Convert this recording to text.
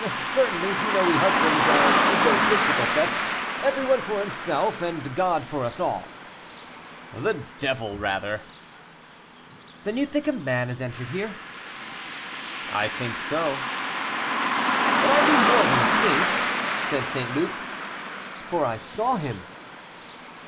"Certainly; you know we husbands are an egotistical set. Everyone for himself, and God for us all." "The devil rather." "Then you think a man entered here?" "I think so." "And I do more than think," said St. Luc, "for I saw him."